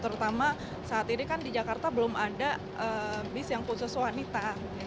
terutama saat ini kan di jakarta belum ada bis yang khusus wanita